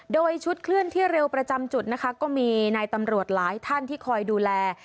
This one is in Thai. โดยชุดเคลื่อนที่เร็วประจำจุดนะคะก็มีนายตำรวจหลายท่านที่คอยดูแล